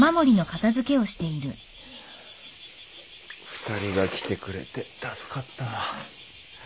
２人が来てくれて助かった。